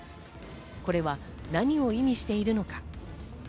これは何を意味しているのか？